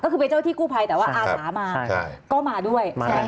ก็คือเป็นเจ้าที่กู้ภัยแต่ว่าอาสามาก็มาด้วย